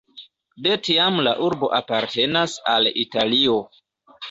De tiam la urbo apartenas al Italio.